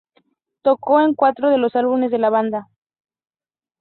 Tocó en cuatro de los álbumes de la banda.